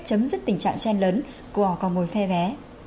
chấm dứt tình trạng tren lớn của họ còn mồi phe vé